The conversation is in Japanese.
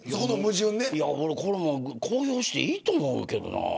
俺、公表していいと思うけどな。